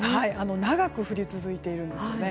長く降り続いているんですね。